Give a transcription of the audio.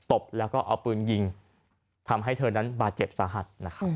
ตบแล้วก็เอาปืนยิงทำให้เธอนั้นบาดเจ็บสาหัสนะครับ